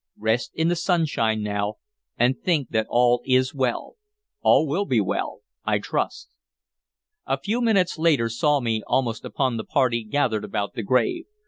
"Rest in the sunshine now, and think that all is well. All will be well, I trust." A few minutes later saw me almost upon the party gathered about the grave.